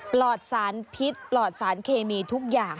ปลอดสารพิษปลอดสารเคมีทุกอย่าง